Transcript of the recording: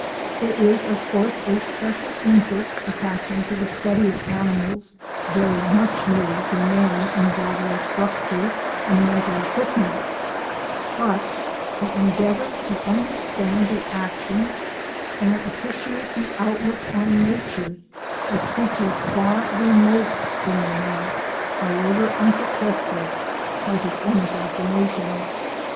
There is, of course, a special interest attaching to the study of animals very much nearer to man in bodily structure and mental equipment, but the endeavour to understand the actions and appreciate the outlook on nature of creatures far remote from man, however unsuccessful, has its own fascination.